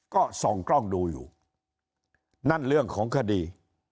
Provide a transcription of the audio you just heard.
ก็ส่องกล้องดูอยู่นั่นเรื่องของคดี